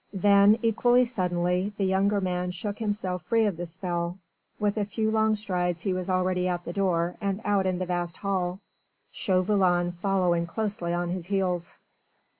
Then equally suddenly the younger man shook himself free of the spell; with a few long strides he was already at the door and out in the vast hall; Chauvelin following closely on his heels.